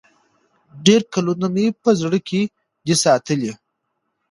ډېر کلونه مي په زړه کي دی ساتلی